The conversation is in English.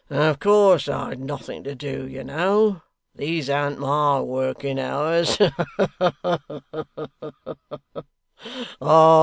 Of course I'd nothing to do, you know. These an't my working hours. Ha ha!